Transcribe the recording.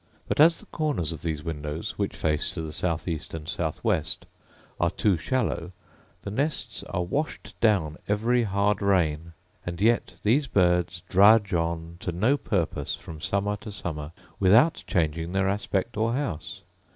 But, as the corners of these windows (which face to the south east and south west) are too shallow, the nests are washed down every hard rain; and yet these birds drudge on to no purpose from summer to summer, without changing their aspect or house.